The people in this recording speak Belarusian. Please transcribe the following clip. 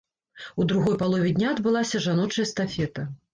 У другой палове дня адбылася жаночая эстафета.